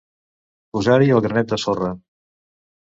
Posar-hi el granet de sorra.